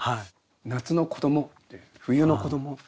夏の子どもって冬の子どもって。